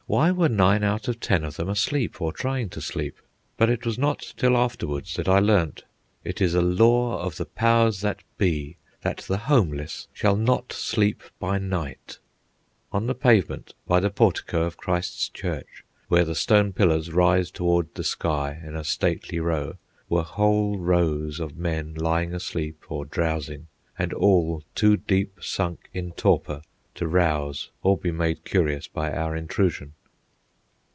Why were nine out of ten of them asleep or trying to sleep? But it was not till afterwards that I learned. It is a law of the powers that be that the homeless shall not sleep by night. On the pavement, by the portico of Christ's Church, where the stone pillars rise toward the sky in a stately row, were whole rows of men lying asleep or drowsing, and all too deep sunk in torpor to rouse or be made curious by our intrusion.